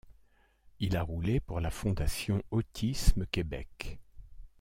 Il a roulé pour la fondation Autisme Québec.